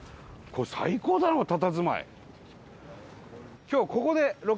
これ最高だなたたずまい。